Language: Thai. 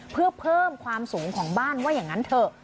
เพื่อเพิ่มความสูงของบ้านว่าอย่างนั้นเถอะ